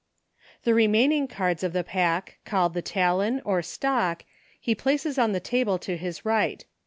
The remaining cards of the pack, called the talon, or stock, he places on the table to his right.